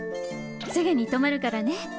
すぐに止まるからね。